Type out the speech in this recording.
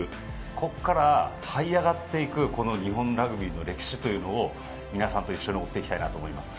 ここから、はい上がっていく日本ラグビーの歴史というのを皆さんと一緒に追っていきたいと思います。